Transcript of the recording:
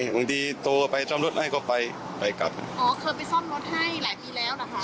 บางทีโทรไปซ่อมรถให้ก็ไปไปกลับอ๋อเคยไปซ่อมรถให้หลายปีแล้วนะคะ